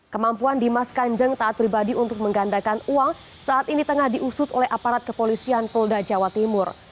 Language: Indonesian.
kemampuan dimas kanjeng taat pribadi untuk menggandakan uang saat ini tengah diusut oleh aparat kepolisian polda jawa timur